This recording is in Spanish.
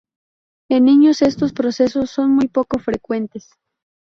En niños estos procesos son muy poco frecuentes.